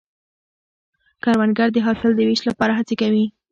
کروندګر د حاصل د ویش لپاره هڅې کوي